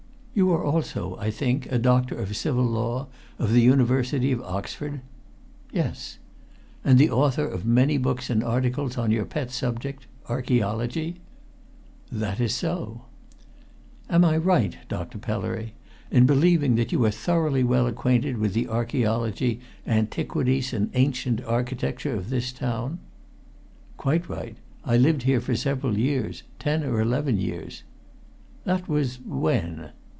"You are also, I think, a Doctor of Civil Law of the University of Oxford?" "Yes." "And the author of many books and articles on your pet subject archæology?" "That is so." "Am I right, Dr. Pellery, in believing that you are thoroughly well acquainted with the archæology, antiquities, and ancient architecture of this town?" "Quite right. I lived here for several years ten or eleven years." "That was when?"